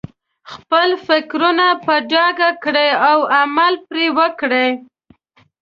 خپل فکرونه په ډاګه کړئ او عمل پرې وکړئ.